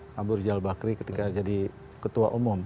dalam hal bakri ketika jadi ketua umum